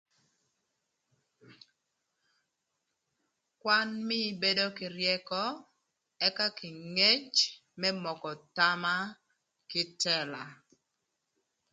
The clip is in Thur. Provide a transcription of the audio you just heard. Kwan mii ibedo kï ryëkö ëka kï ngec më moko thama kï tëla